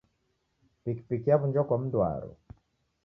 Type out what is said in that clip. Pikipiki yaw'unjwa kwa mndu waro.